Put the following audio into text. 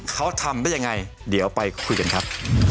เขาทำได้ยังไงเดี๋ยวไปคุยกันครับ